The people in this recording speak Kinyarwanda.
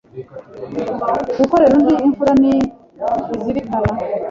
gukorera undi imfura ni izirikana